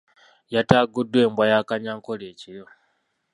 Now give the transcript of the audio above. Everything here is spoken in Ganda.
Yataaguddwa embwa ya Kanyankole ekiro.